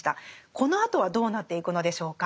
このあとはどうなっていくのでしょうか。